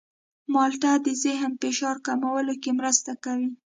مالټه د ذهني فشار کمولو کې مرسته کوي.